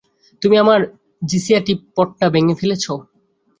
তুমি আমার জিশিয়া টি-পটটা ভেঙে ফেলেছো।